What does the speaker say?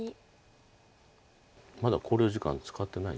まだ考慮時間使ってない。